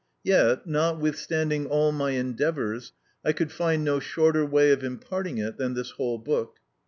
Yet, notwithstanding all my endeavours, I could find no shorter way of imparting it than this whole book.